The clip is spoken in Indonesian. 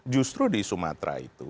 justru di sumatera itu